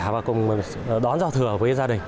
và cùng đón giao thừa với gia đình